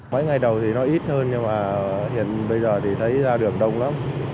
mấy ngày đầu thì nó ít hơn nhưng mà hiện bây giờ thì thấy ra đường đông lắm